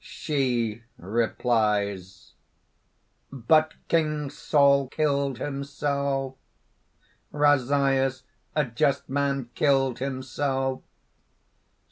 SHE (replies): "But King Saul killed himself! Razias, a just man, killed himself!